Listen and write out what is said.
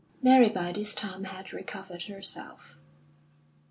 Mary by this time had recovered herself.